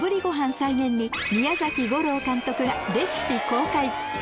再現に宮崎吾朗監督がレシピ公開